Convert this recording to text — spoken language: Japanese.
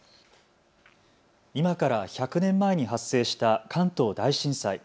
今から１００年前に発生した関東大震災。